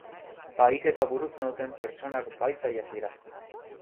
Bahiketa burutzen duten pertsonak bahitzaileak dira.